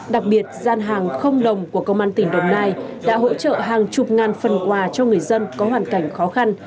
đặc biệt gian hàng không đồng của công an tỉnh đồng nai đã hỗ trợ hàng chục ngàn phần quà cho người dân có hoàn cảnh khó khăn